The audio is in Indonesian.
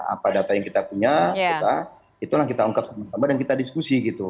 apa data yang kita punya itulah kita ungkap sama sama dan kita diskusi gitu